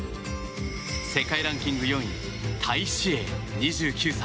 世界ランキング４位タイ・シエイ、２９歳。